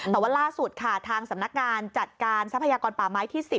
แต่ว่าล่าสุดค่ะทางสำนักงานจัดการทรัพยากรป่าไม้ที่๑๐